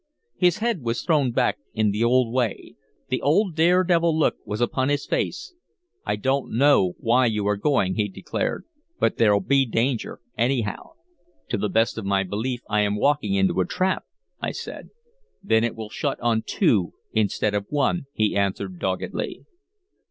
His head was thrown back in the old way; the old daredevil look was upon his face. "I don't know why you are going," he declared, "but there'll be danger, anyhow." "To the best of my belief I am walking into a trap," I said. "Then it will shut on two instead of one," he answered doggedly.